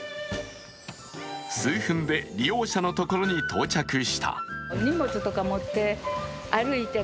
数分で利用者のもとへ到着した。